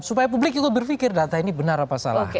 supaya publik juga berpikir data ini benar apa salah